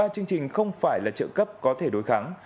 một mươi ba chương trình không phải là trợ cấp có thể đối kháng